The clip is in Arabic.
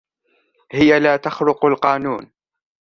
هىَ لا تخرق القانون.